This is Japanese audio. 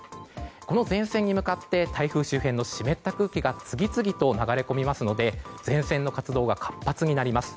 この前線に向かって台風周辺の湿った空気が次々と流れ込みますので前線の活動が活発になります。